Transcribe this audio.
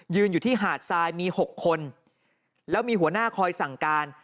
อยู่ที่หาดทรายมี๖คนแล้วมีหัวหน้าคอยสั่งการ